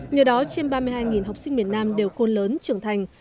nhờ đó trên ba mươi hai học sinh miền nam đều khôn lớn trưởng thành